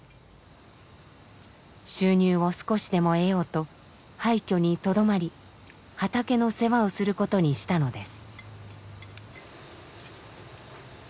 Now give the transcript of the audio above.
収入を少しでも得ようと廃虚にとどまり畑の世話をすることにしたのです。